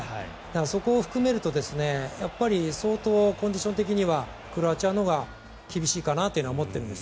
そこを含めると相当、コンディション的にはクロアチアのほうが厳しいかなと思っているんです。